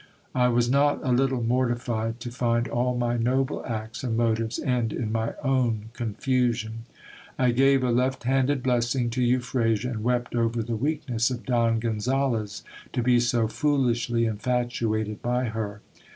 I was not a little mortified to find all my noble acts and motives end in my own confusion. I gave a left handed blessing to Euphrasia, and wept over the weakness of Don Gonzales, to be so foolishly infatuated by her.